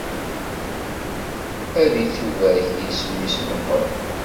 Ad ittubarek yisem-is meqqren.